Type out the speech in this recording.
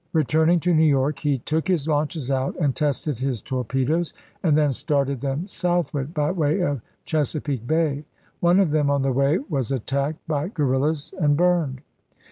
Returning to New York he took his launches out and tested his torpedoes, and then started them southward, by way of Chesa peake Bay ; one of them on the way was attacked by guerrillas and burned.